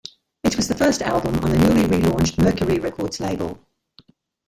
It was the first album on the newly re-launched Mercury Records label.